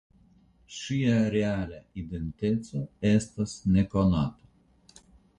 Ŝia reala identeco estas nekonata.